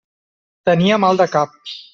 Tenia mal de cap.